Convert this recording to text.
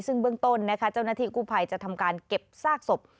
ซึ่งเบื้องต้นนะคะเจ้าหน้าที่กู้ภัยจะทำการเก็บซากศพ